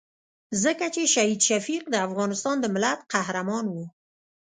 ځکه چې شهید شفیق د افغانستان د ملت قهرمان وو.